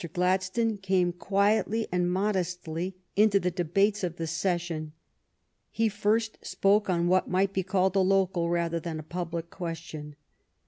Gladstone came quietly and modestly into the debates of the session. He first spoke on what might be called a local rather than a public question.